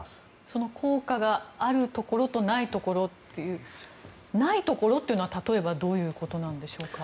その効果があるところとないところというないところというのは例えばどういうことなんでしょうか。